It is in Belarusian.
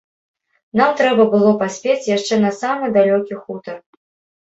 Нам трэба было паспець яшчэ на самы далёкі хутар.